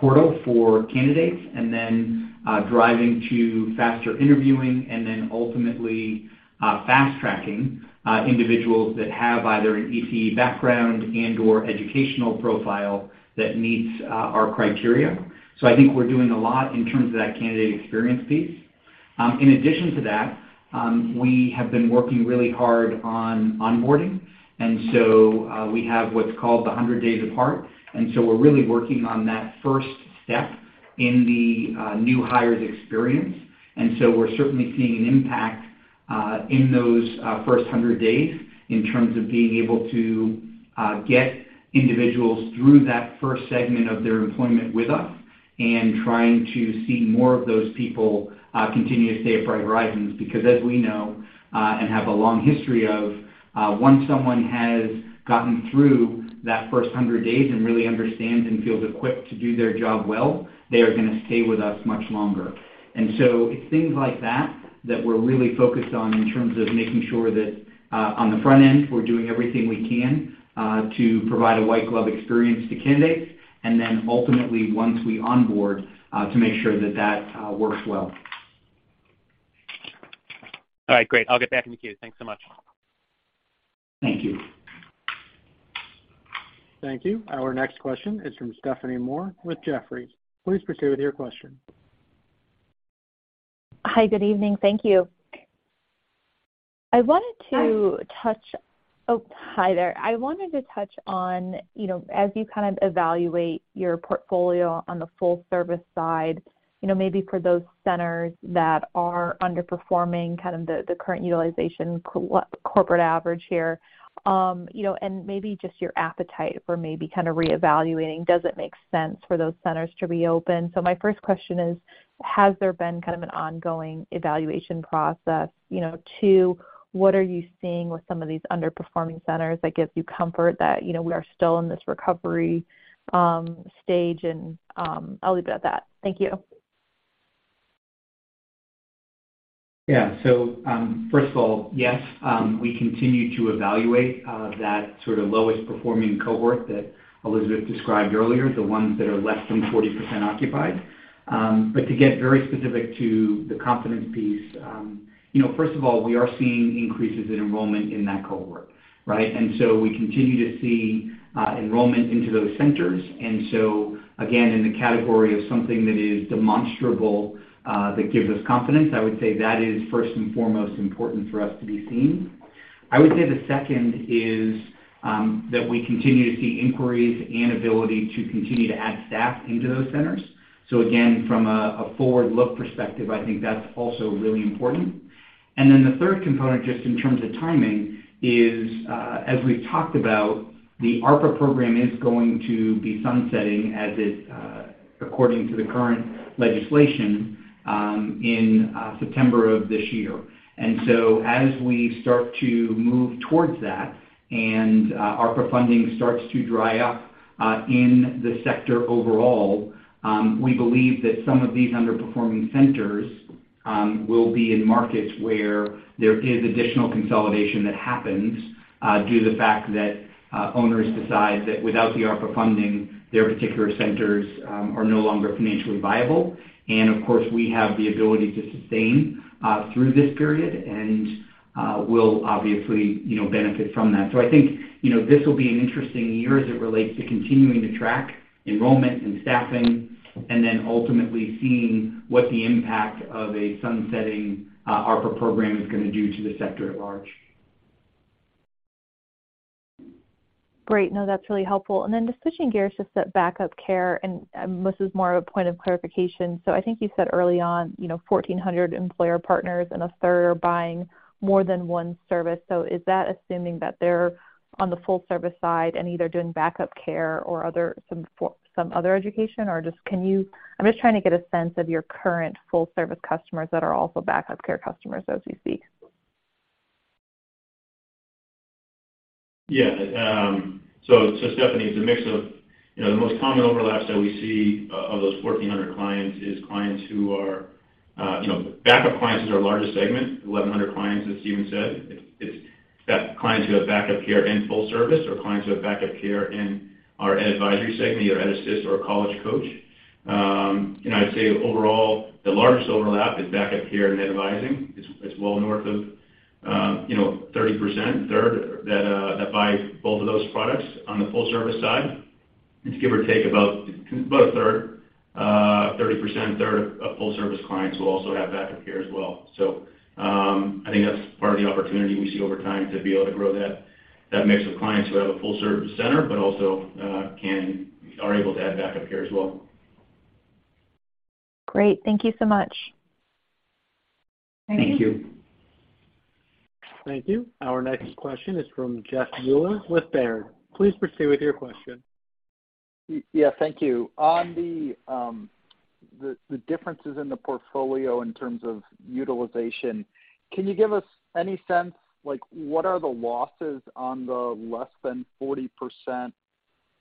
S3: portal for candidates and then driving to faster interviewing and then ultimately fast-tracking individuals that have either an ECE background and/or educational profile that meets our criteria. I think we're doing a lot in terms of that candidate experience piece. In addition to that, we have been working really hard on onboarding, and so we have what's called the 100 days apart. We're really working on that first step in the new hires experience. We're certainly seeing an impact, in those, first 100 Days in terms of being able to get individuals through that first segment of their employment with us and trying to see more of those people continue to stay at Bright Horizons. As we know, and have a long history of, once someone has gotten through that first 100 Days and really understands and feels equipped to do their job well, they are gonna stay with us much longer. It's things like that that we're really focused on in terms of making sure that, on the front end, we're doing everything we can to provide a white-glove experience to candidates. Then ultimately, once we onboard, to make sure that, works well.
S8: All right, great. I'll get back in the queue. Thanks so much.
S3: Thank you.
S1: Thank you. Our next question is from Stephanie Moore with Jefferies. Please proceed with your question.
S9: Hi, good evening. Thank you. I wanted to touch. Oh, hi there. I wanted to touch on, you know, as you kind of evaluate your portfolio on the full-service side, you know, maybe for those centers that are underperforming kind of the current utilization corporate average here, you know, and maybe just your appetite for maybe kind of reevaluating, does it make sense for those centers to be open? My first question is, has there been kind of an ongoing evaluation process? You know, two, what are you seeing with some of these underperforming centers that gives you comfort that, you know, we are still in this recovery stage? I'll leave it at that. Thank you.
S3: First of all, yes, we continue to evaluate that sort of lowest performing cohort that Elizabeth described earlier, the ones that are less than 40% occupied. To get very specific to the confidence piece, you know, first of all, we are seeing increases in enrollment in that cohort, right? We continue to see enrollment into those centers. Again, in the category of something that is demonstrable, that gives us confidence, I would say that is first and foremost important for us to be seeing. I would say the second is that we continue to see inquiries and ability to continue to add staff into those centers. Again, from a forward-look perspective, I think that's also really important. The third component, just in terms of timing, is as we've talked about, the ARPA program is going to be sunsetting as it, according to the current legislation, in September of this year. As we start to move towards that and ARPA funding starts to dry up in the sector overall, we believe that some of these underperforming centers will be in markets where there is additional consolidation that happens due to the fact that owners decide that without the ARPA funding, their particular centers are no longer financially viable. Of course, we have the ability to sustain through this period and we'll obviously, you know, benefit from that. I think, you know, this will be an interesting year as it relates to continuing to track enrollment and staffing and then ultimately seeing what the impact of a sunsetting ARPA program is gonna do to the sector at large.
S9: Great. No, that's really helpful. Just switching gears, just that Back-Up Care, and this is more a point of clarification. I think you said early on, you know, 1,400 employer partners and a third are buying more than one service. Is that assuming that they're on the full-service side and either doing Back-Up Care or other education? Can you... I'm just trying to get a sense of your current full-service customers that are also Back-Up Care customers as you speak.
S2: Yeah. So, Stephanie, it's a mix of, you know, the most common overlaps that we see of those 1,400 clients is clients who are, you know, Back-Up Care clients is our largest segment, 1,100 clients, as Stephen said. It's that clients who have Back-Up Care and full-service or clients who have Back-Up Care in our Ed Advisory segment, either EdAssist or College Coach. I'd say overall, the largest overlap is Back-Up Care and Ed Advisory. It's well north of, you know, 30%, a third that buy both of those products on the full-service side. It's give or take about a third, 30%, a third of full-service clients will also have Back-Up Care as well. I think that's part of the opportunity we see over time to be able to grow that mix of clients who have a full-service center, but also, are able to add Back-Up Care as well.
S9: Great. Thank you so much.
S3: Thank you.
S2: Thank you.
S1: Thank you. Our next question is from Jeff Meuler with Baird. Please proceed with your question.
S10: Thank you. On the differences in the portfolio in terms of utilization, can you give us any sense like what are the losses on the less than 40%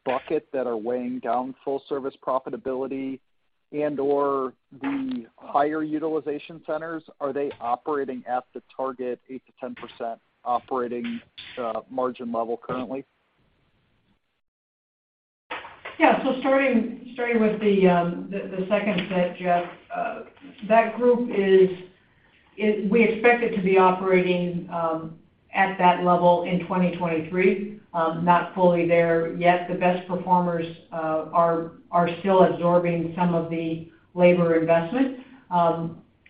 S10: bucket that are weighing down full-service profitability and/or the higher utilization centers, are they operating at the target 8%-10% operating margin level currently?
S4: Starting with the second set, Jeff, that group We expect it to be operating at that level in 2023. Not fully there yet. The best performers are still absorbing some of the labor investment.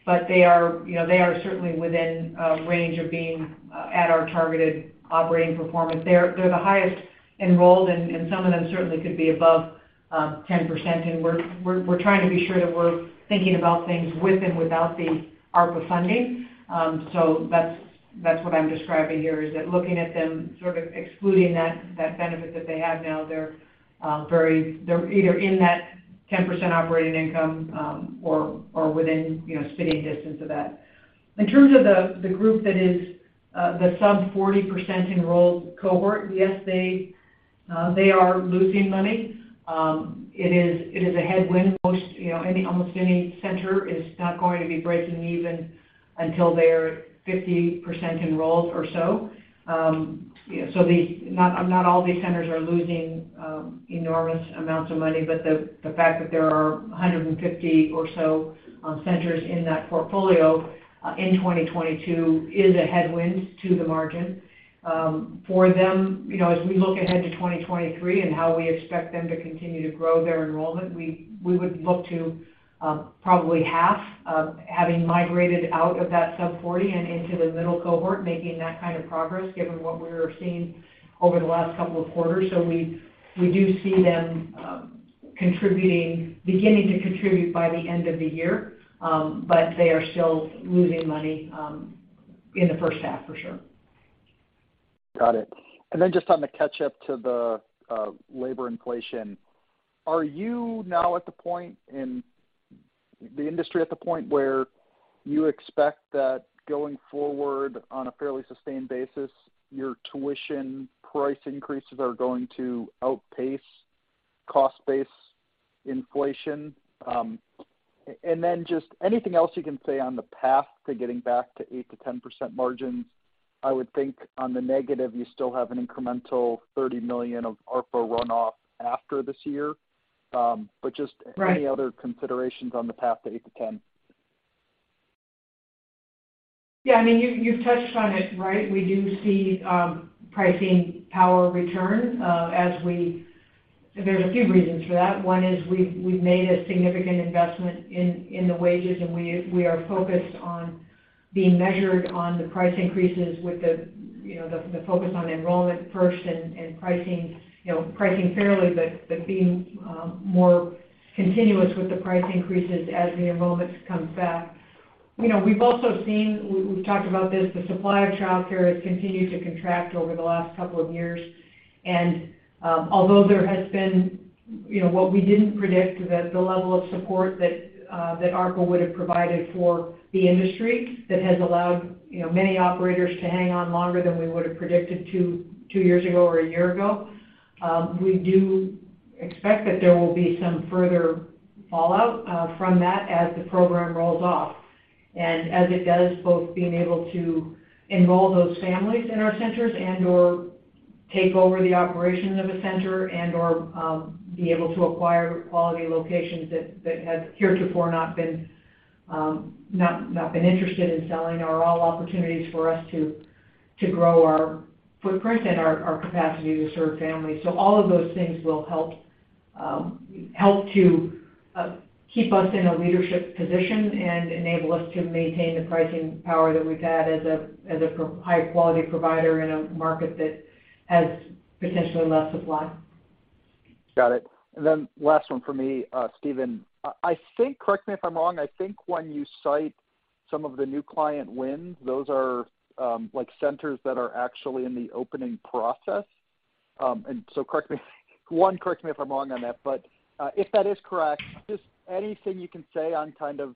S4: But they are, you know, they are certainly within a range of being at our targeted operating performance. They're the highest enrolled, and some of them certainly could be above 10%. We're trying to be sure that we're thinking about things with and without the ARPA funding. That's what I'm describing here, is that looking at them sort of excluding that benefit that they have now, They're either in that 10% operating income or within, you know, spitting distance of that. In terms of the group that is the sub 40% enrolled cohort, yes, they are losing money. It is a headwind. Most, you know, almost any center is not going to be breaking even until they're 50% enrolled or so. Not all these centers are losing enormous amounts of money. The fact that there are 150 or so centers in that portfolio in 2022 is a headwind to the margin. For them, you know, as we look ahead to 2023 and how we expect them to continue to grow their enrollment, we would look to probably half of having migrated out of that sub 40 and into the middle cohort, making that kind of progress given what we're seeing over the last couple of quarters. We do see them beginning to contribute by the end of the year. They are still losing money in the first half for sure.
S10: Got it. Then just on the catch up to the labor inflation, are you now at the point in the industry at the point where you expect that going forward on a fairly sustained basis, your tuition price increases are going to outpace cost-based inflation? Then just anything else you can say on the path to getting back to 8%-10% margins. I would think on the negative, you still have an incremental $30 million of ARPA runoff after this year? But just-
S4: Right.
S10: any other considerations on the path to 8-10?
S4: Yeah, I mean, you've touched on it, right. We do see pricing power return. There's a few reasons for that. One is we've made a significant investment in the wages, and we are focused on being measured on the price increases with, you know, the focus on enrollment first and pricing, you know, pricing fairly, but being more continuous with the price increases as the enrollment comes back. You know, we've also seen, we've talked about this, the supply of child care has continued to contract over the last couple of years. Although there has been, you know, what we didn't predict is that the level of support that ARPA would have provided for the industry that has allowed, you know, many operators to hang on longer than we would have predicted two years ago or year ago. We do expect that there will be some further fallout from that as the program rolls off. As it does, both being able to enroll those families in our centers and/or take over the operations of a center and/or be able to acquire quality locations that have heretofore not been interested in selling are all opportunities for us to grow our footprint and our capacity to serve families. All of those things will help to keep us in a leadership position and enable us to maintain the pricing power that we've had as a high quality provider in a market that has potentially less supply.
S10: Got it. Last one for me, Stephen. I think, correct me if I'm wrong, I think when you cite some of the new client wins, those are like centers that are actually in the opening process. Correct me, one, correct me if I'm wrong on that, but if that is correct, just anything you can say on kind of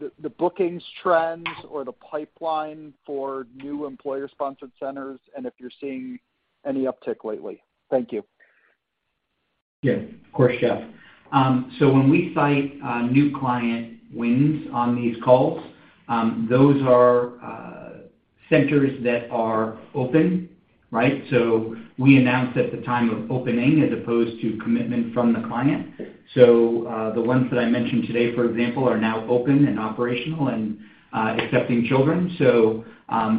S10: the bookings trends or the pipeline for new employer-sponsored centers and if you're seeing any uptick lately. Thank you.
S3: Yeah. Of course, Jeff. When we cite new client wins on these calls, those are centers that are open, right? We announce at the time of opening as opposed to commitment from the client. The ones that I mentioned today, for example, are now open and operational and accepting children.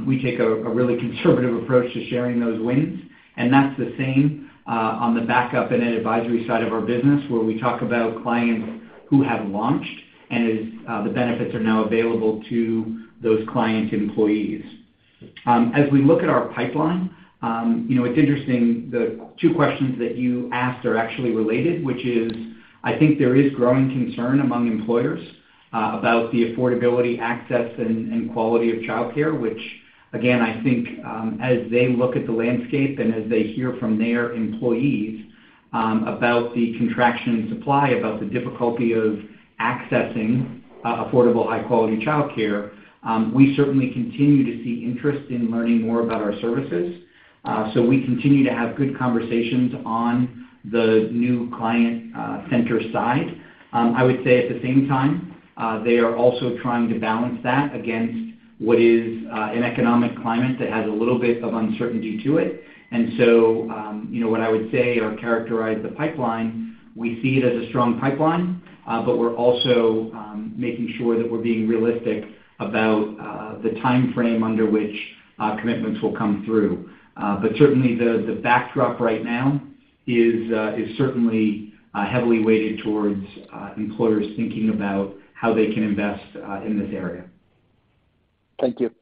S3: We take a really conservative approach to sharing those wins. That's the same on the Back-Up Care and Advisory side of our business, where we talk about clients who have launched and the benefits are now available to those client employees. As we look at our pipeline, you know, it's interesting, the two questions that you asked are actually related, which is, I think there is growing concern among employers about the affordability, access and quality of child care, which again, I think, as they look at the landscape and as they hear from their employees about the contraction in supply, about the difficulty of accessing affordable high-quality child care, we certainly continue to see interest in learning more about our services. We continue to have good conversations on the new client, center side. I would say at the same time, they are also trying to balance that against what is an economic climate that has a little bit of uncertainty to it. You know, what I would say or characterize the pipeline, we see it as a strong pipeline, but we're also making sure that we're being realistic about the timeframe under which commitments will come through. Certainly the backdrop right now is certainly heavily weighted towards employers thinking about how they can invest in this area.
S10: Thank you.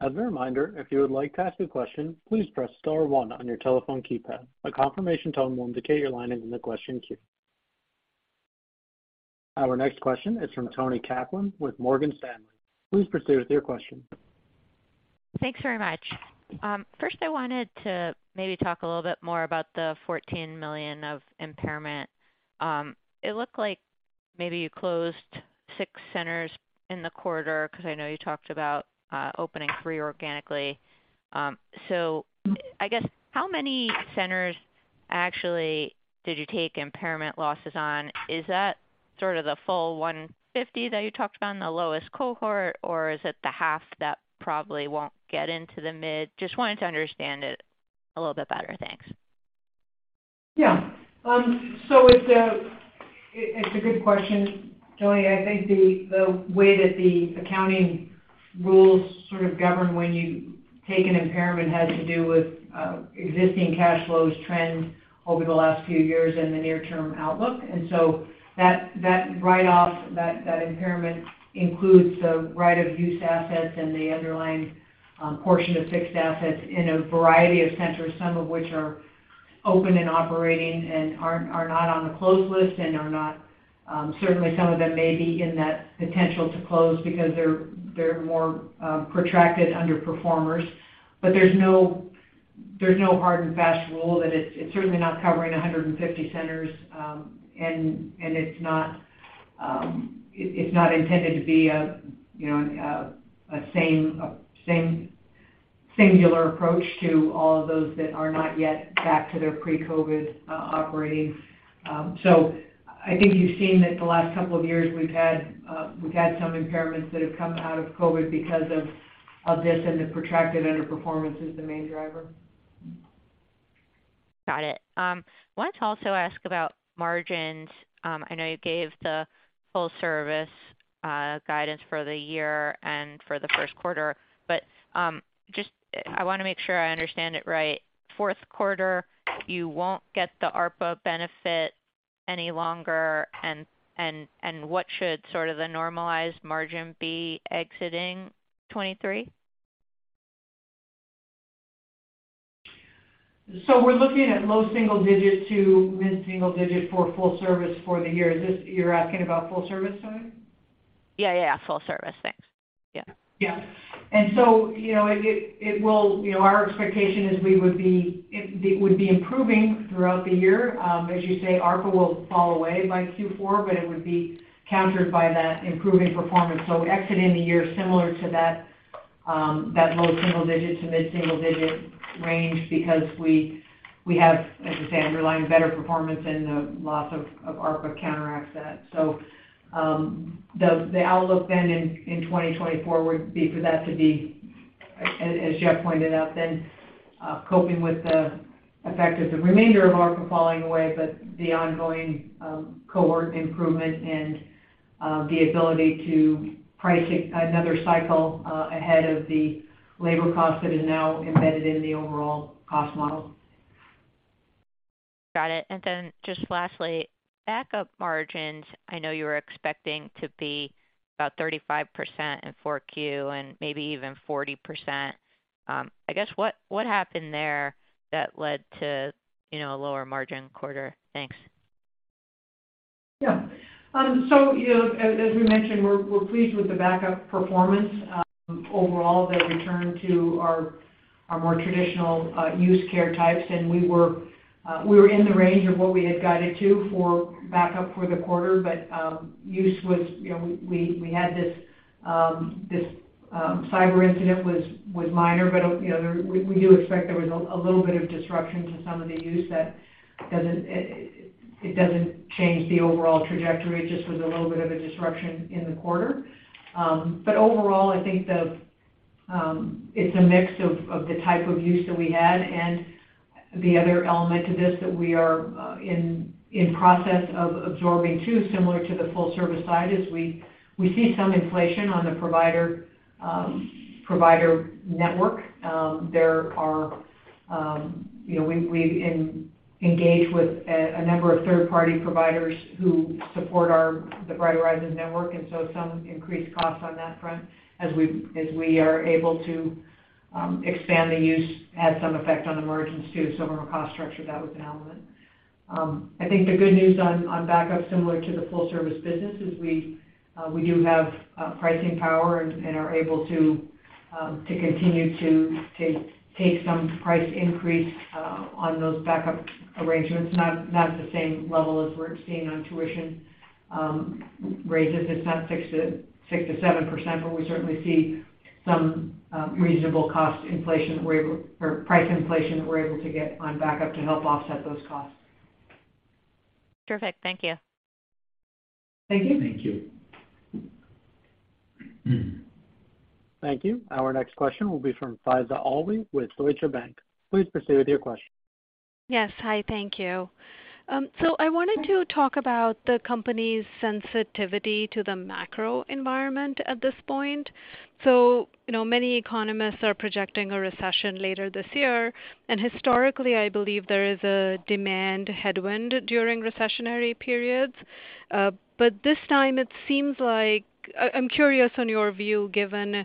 S1: As a reminder, if you would like to ask a question, please press star one on your telephone keypad. A confirmation tone will indicate your line is in the question queue. Our next question is from Toni Kaplan with Morgan Stanley. Please proceed with your question.
S11: Thanks very much. First I wanted to maybe talk a little bit more about the $14 million of impairment. It looked like maybe you closed six centers in the quarter 'cause I know you talked about opening three organically. I guess how many centers actually did you take impairment losses on? Is that sort of the full 150 that you talked about in the lowest cohort? Is it the half that probably won't get into the mid? Just wanted to understand it a little bit better. Thanks.
S4: It's a good question, Toni. I think the way that the accounting rules sort of govern when you take an impairment has to do with existing cash flows trends over the last few years and the near-term outlook. That write-off, that impairment includes the right of use assets and the underlying portion of fixed assets in a variety of centers, some of which are open and operating and are not on the close list and are not, certainly some of them may be in that potential to close because they're more protracted underperformers. There's no, there's no hard and fast rule that it's certainly not covering 150 centers. It's not intended to be a, you know, a same singular approach to all of those that are not yet back to their pre-COVID operating. I think you've seen that the last couple of years we've had some impairments that have come out of COVID because of this and the protracted underperformance is the main driver.
S11: Got it. Wanted to also ask about margins. I know you gave the full-service guidance for the year and for the first quarter, just I wanna make sure I understand it right. Fourth quarter, you won't get the ARPA benefit any longer and what should sort of the normalized margin be exiting 2023?
S4: We're looking at low single digit to mid-single digit for full service for the year. You're asking about full service, Toni?
S11: Yeah, yeah, full-service. Thanks. Yeah.
S4: You know, it will, you know, our expectation is we would be, it would be improving throughout the year. As you say, ARPA will fall away by Q4, but it would be countered by that improving performance. Exiting the year similar to that low single digit to mid-single digit range because we have, as I say, underlying better performance and the loss of ARPA counteracts that. The outlook then in 2024 would be for that to be, as Jeff pointed out, then, coping with the effect of the remainder of ARPA falling away, but the ongoing cohort improvement and the ability to price another cycle ahead of the labor cost that is now embedded in the overall cost model.
S11: Got it. Then just lastly, backup margins, I know you were expecting to be about 35% in 4Q and maybe even 40%. I guess what happened there that led to, you know, a lower margin quarter? Thanks.
S4: Yeah. You know, as we mentioned, we're pleased with the Back-Up Care performance, overall, the return to our more traditional use care types. We were in the range of what we had guided to for Back-Up Care for the quarter. Use was, you know, we had this cyber incident was minor. You know, we do expect there was a little bit of disruption to some of the use that it doesn't change the overall trajectory. It just was a little bit of a disruption in the quarter. Overall, I think it's a mix of the type of use that we had and the other element to this that we are in process of absorbing too, similar to the full-service side, is we see some inflation on the provider network. There are, you know, we've engaged with a number of third-party providers who support the Bright Horizons network, and some increased costs on that front as we are able to expand the use, had some effect on the margins too. On our cost structure, that was an element. I think the good news on Back-Up Care similar to the full-service business is we do have pricing power and are able to continue to take some price increase on those Back-Up Care arrangements. Not at the same level as we're seeing on tuition raises. It's not 6% to 7%, but we certainly see some reasonable cost inflation that we're able or price inflation that we're able to get on Back-Up Care to help offset those costs.
S11: Perfect. Thank you.
S4: Thank you.
S3: Thank you.
S1: Thank you. Our next question will be from Faiza Alwy with Deutsche Bank. Please proceed with your question.
S12: Yes. Hi. Thank you. I wanted to talk about the company's sensitivity to the macro environment at this point. You know, many economists are projecting a recession later this year, and historically, I believe there is a demand headwind during recessionary periods. This time it seems like...I'm curious on your view given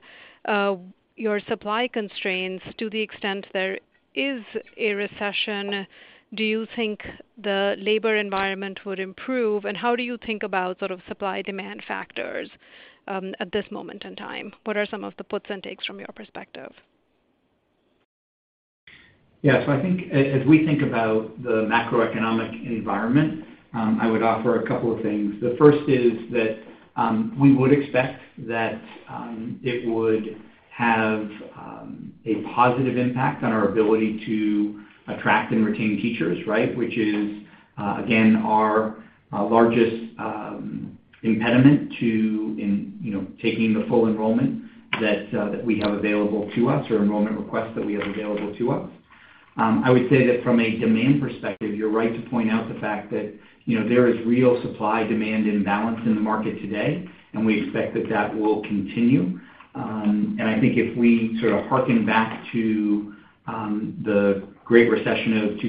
S12: your supply constraints to the extent there is a recession, do you think the labor environment would improve, and how do you think about sort of supply demand factors at this moment in time? What are some of the puts and takes from your perspective?
S3: Yes. I think as we think about the macroeconomic environment, I would offer a couple of things. The first is that we would expect that it would have a positive impact on our ability to attract and retain teachers, right? Which is again, our largest impediment to and, you know, taking the full enrollment that we have available to us or enrollment requests that we have available to us. I would say that from a demand perspective, you're right to point out the fact that, you know, there is real supply demand imbalance in the market today, and we expect that that will continue. I think if we sort of harken back to the Great Recession of 2008,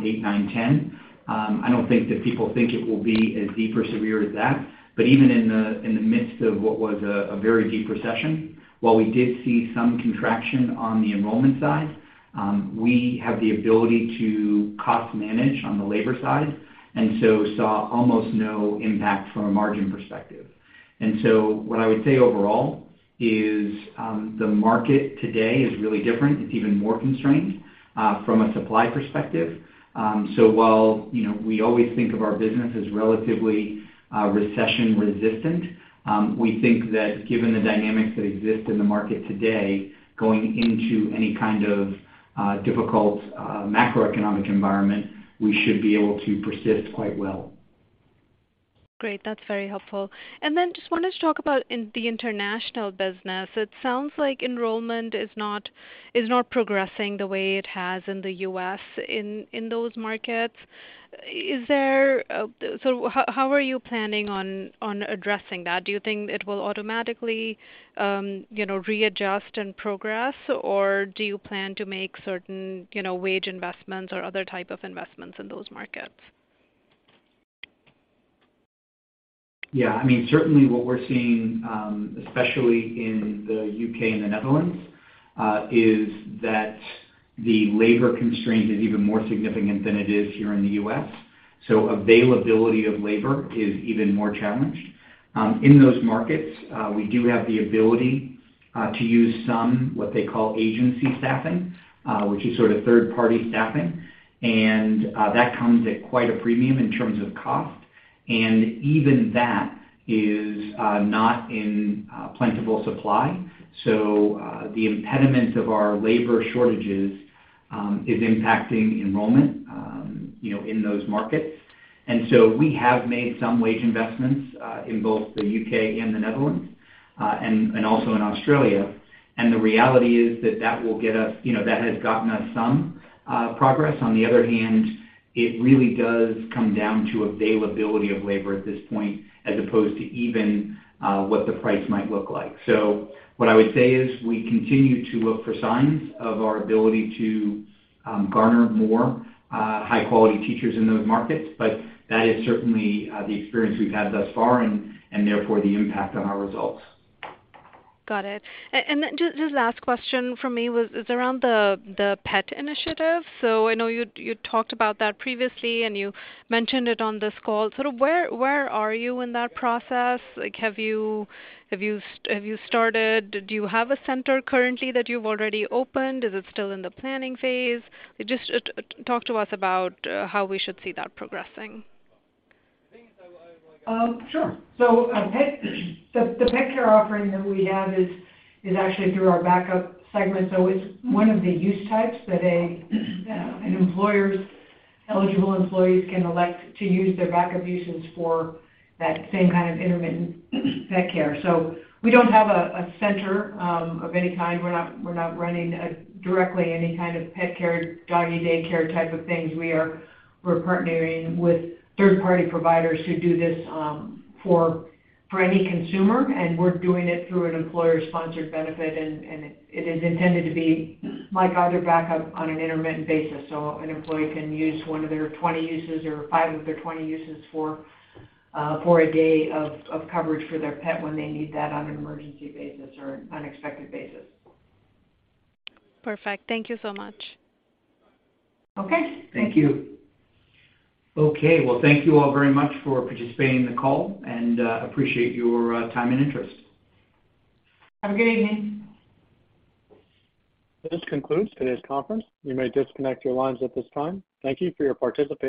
S3: 2009, 2010, I don't think that people think it will be as deep or severe as that. Even in the midst of what was a very deep recession, while we did see some contraction on the enrollment side, we have the ability to cost manage on the labor side, and so saw almost no impact from a margin perspective. What I would say overall is, the market today is really different. It's even more constrained from a supply perspective. While, you know, we always think of our business as relatively recession-resistant, we think that given the dynamics that exist in the market today, going into any kind of difficult macroeconomic environment, we should be able to persist quite well.
S12: Great. That's very helpful. Just wanted to talk about in the international business. It sounds like enrollment is not progressing the way it has in the U.S. in those markets. How are you planning on addressing that? Do you think it will automatically, you know, readjust and progress, or do you plan to make certain, you know, wage investments or other type of investments in those markets?
S3: Yeah. I mean, certainly what we're seeing, especially in the U.K. and the Netherlands, is that the labor constraint is even more significant than it is here in the U.S., so availability of labor is even more challenged. In those markets, we do have the ability to use some, what they call agency staffing, which is sort of third-party staffing. That comes at quite a premium in terms of cost. Even that is not in plentiful supply. The impediment of our labor shortages is impacting enrollment, you know, in those markets. We have made some wage investments in both the U.K. and the Netherlands, and also in Australia. The reality is that that will get us, you know, that has gotten us some progress. On the other hand, it really does come down to availability of labor at this point, as opposed to even what the price might look like. What I would say is we continue to look for signs of our ability to garner more high quality teachers in those markets, but that is certainly the experience we've had thus far and therefore the impact on our results.
S12: Got it. Just last question from me was is around the pet initiative. I know you talked about that previously, and you mentioned it on this call. Sort of where are you in that process? Like, have you started? Do you have a center currently that you've already opened? Is it still in the planning phase? Just talk to us about how we should see that progressing?
S4: Sure. The Pet Care offering that we have is actually through our Back-Up Care segment. it's one of the use types that a, you know, an employer's eligible employees can elect to use their Back-Up Care uses for that same kind of intermittent Pet Care. we don't have a center of any kind. We're not, we're not running directly any kind of Pet Care, doggy daycare type of things. We are, we're partnering with third-party providers who do this for any consumer, and we're doing it through an employer-sponsored benefit and it is intended to be like other Back-Up Care on an intermittent basis. An employee can use one of their 20 uses or 5 of their 20 uses for a day of coverage for their pet when they need that on an emergency basis or unexpected basis.
S12: Perfect. Thank you so much.
S4: Okay. Thank you.
S3: Thank you. Okay. Well, thank you all very much for participating in the call, and appreciate your time and interest.
S4: Have a good evening.
S1: This concludes today's conference. You may disconnect your lines at this time. Thank you for your participation